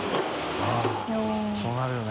◆舛叩そうなるよね。